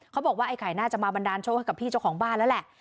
เขาบอกว่าไอ้ไข่น่าจะมาบันดาลโชคให้กับพี่เจ้าของบ้านแล้วแหละ